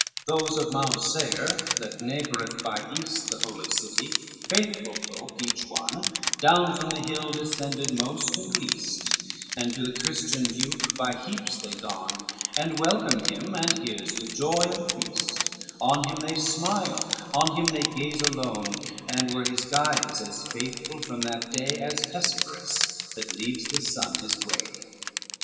LXXVII Those of Mount Seir, that neighboreth by east The Holy City, faithful folk each one, Down from the hill descended most and least, And to the Christian Duke by heaps they gone, And welcome him and his with joy and feast; On him they smile, on him they gaze alone, And were his guides, as faithful from that day As Hesperus, that leads the sun his way.